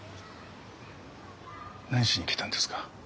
何しに来たんですか？